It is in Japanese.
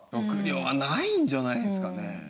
食料はないんじゃないですかね？